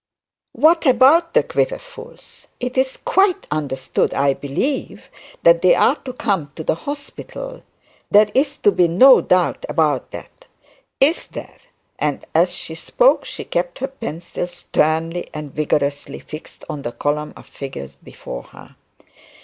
'What about the Quiverfuls? It is quite understood I believe, that they are to come to the hospital. There is to be no doubt about that, is there?' And as she spoke she kept her pencil sternly and vigorously fixed on the column of figures before her.